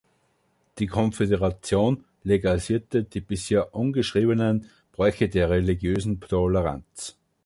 Die Konföderation legalisierte die bisher ungeschriebenen Bräuche der religiösen Toleranz.